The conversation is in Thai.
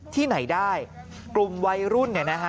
ที่ไหนได้กลุ่มวัยรุ่นนี่นะฮะ